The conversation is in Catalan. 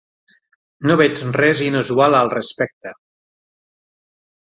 No veig res inusual al respecte.